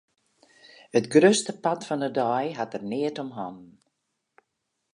It grutste part fan de dei hat er neat om hannen.